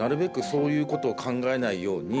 そういうことを考えないように。